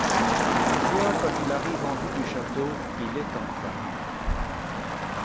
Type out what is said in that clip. Toutefois, quand il arrive en vue du château, il est en flammes.